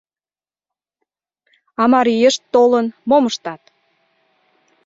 А марийышт, толын, мом ыштат?